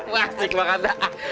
wah asik banget